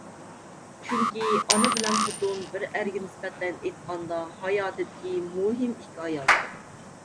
چۈنكى، ئانا بىلەن خوتۇن بىر ئەرگە نىسبەتەن ئېيتقاندا ھاياتىدىكى مۇھىم ئىككى ئايال.